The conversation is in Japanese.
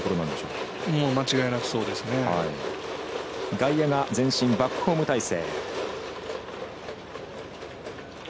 外野が前進バックホーム態勢。